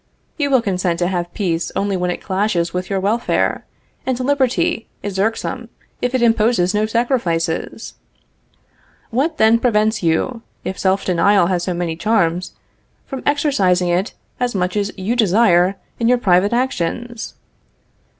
You will consent to have peace only when it clashes with your welfare, and liberty is irksome if it imposes no sacrifices! What then prevents you, if self denial has so many charms, from exercising it as much as you desire in your private actions?